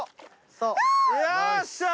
そうよっしゃー！